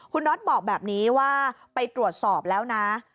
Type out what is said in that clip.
คุณน็อตบอกแบบนี้ว่าไปตรวจสอบแล้วนะ